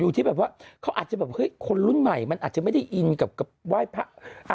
ที่แบบว่าเขาอาจจะแบบเฮ้ยคนรุ่นใหม่มันอาจจะไม่ได้อินกับไหว้พระ